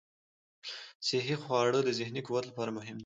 صحي خواړه د ذهني قوت لپاره مهم دي.